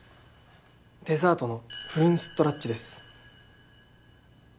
デザートのフルン・ストラッチです。